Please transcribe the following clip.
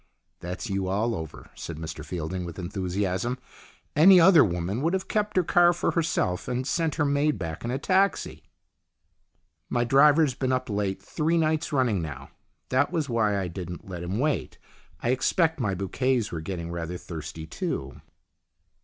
"That's you all over," said Mr Fielding, with enthusiasm. " Any other woman would have kept her car for herself, and sent her maid back in a taxi." " My driver's been up late three nights running now. That was why I didn't let him wait. I expect my bouquets were getting rather thirsty too."